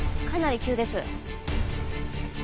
かなり急です。